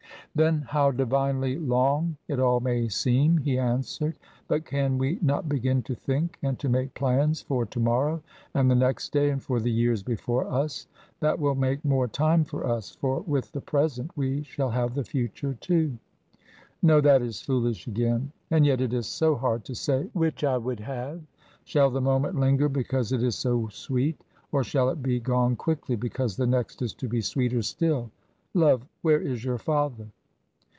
"Then how divinely long it all may seem," he answered. "But can we not begin to think, and to make plans for to morrow, and the next day, and for the years before us? That will make more time for us, for with the present we shall have the future, too. No that is foolish again. And yet it is so hard to say which I would have. Shall the moment linger because it is so sweet? Or shall it be gone quickly, because the next is to be sweeter still? Love, where is your father?"